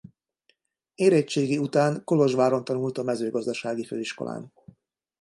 Érettségi után Kolozsváron tanult a Mezőgazdasági Főiskolán.